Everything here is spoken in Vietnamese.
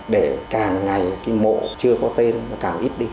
để càng ngày cái mộ chưa có tên nó càng ít đi